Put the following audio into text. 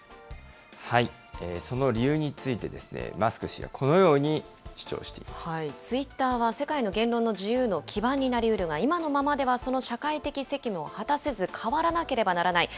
その理由について、マスク氏は、ツイッターは世界の言論の自由の基盤になりうるが、今のままではその社会的責務を果たせず、変わらなければならない。